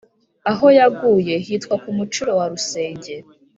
aho yaguye hitwa ku muciro wa rusenge